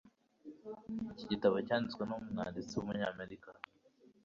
Iki gitabo cyanditswe numwanditsi wumunyamerika.